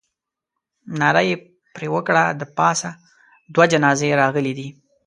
ناره یې پر وکړه. د پاسه دوه جنازې راغلې دي.